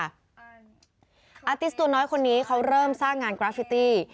เอิ้นลี่่นคนน้อยตัวอาทิตย์ตัวน้อยคนนี้เค้าเริ่มสร้างงานกราฟิตตี